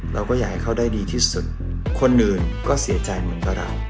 เราก็อยากให้เขาได้ดีที่สุดคนอื่นก็เสียใจเหมือนกับเรา